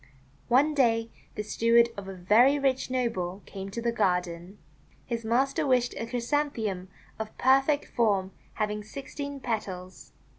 One day the steward of a very rich noble came to the garden. His master wished a Chrysanthe mum of perfect form having sixteen petals.